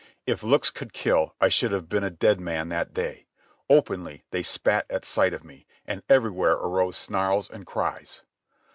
If looks could kill I should have been a dead man that day. Openly they spat at sight of me, and, everywhere arose snarls and cries.